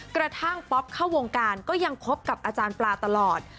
ป๊อปเข้าวงการก็ยังคบกับอาจารย์ปลาตลอด